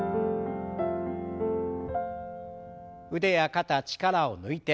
腕や肩力を抜いて。